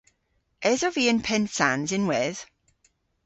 Esov vy yn Pennsans ynwedh?